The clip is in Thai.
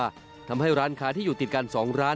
ทำให้ร้านค้าที่อยู่ติดกัน๒ร้าน